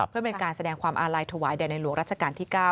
เพื่อเป็นการแสดงความอาลัยถวายแด่ในหลวงรัชกาลที่๙